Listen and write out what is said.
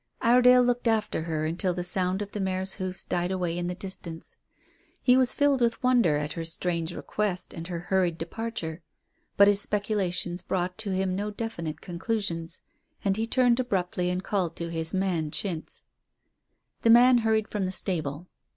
Iredale looked after her until the sound of the mare's hoofs died away in the distance. He was filled with wonder at her strange request and her hurried departure. But his speculations brought him to no definite conclusions, and he turned abruptly and called to his man, Chintz. The man hurried from the stable.